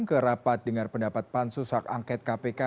kerapat dengan pendapat pansus hak angket kpk